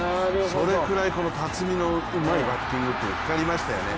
それくらいうまいバッティングが光りましたよね。